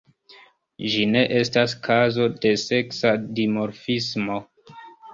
Ĝi ne estas kazo de seksa dimorfismo.